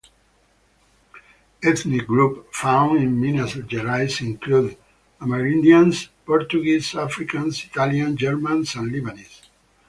Ethnic groups found in Minas Gerais include: Amerindians, Portuguese, Africans, Italians, Germans and Lebanese.